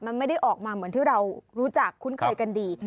มันไม่ได้ออกมาเหมือนที่เรารู้จักคุ้นเคยกันดี